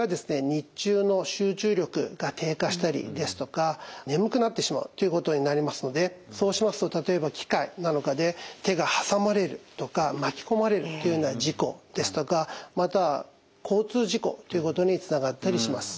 日中の集中力が低下したりですとか眠くなってしまうということになりますのでそうしますと例えば機械なんかで手がはさまれるとかまきこまれるというような事故ですとかまたは交通事故ということにつながったりします。